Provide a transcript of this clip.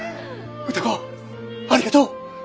歌子ありがとう！